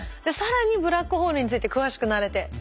更にブラックホールについて詳しくなれて。